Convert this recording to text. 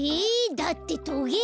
だってトゲが。